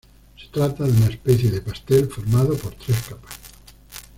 Se trata de una especie de pastel formado por tres capas.